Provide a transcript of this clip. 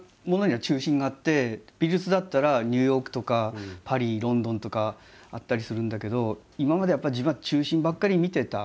美術だったらニューヨークとかパリロンドンとかあったりするんだけど今までやっぱ自分は中心ばっかり見てた。